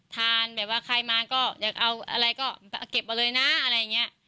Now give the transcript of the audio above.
แบบว่าใครมาก็อยากเอาอะไรก็เก็บมาเลยนะอะไรอย่างนี้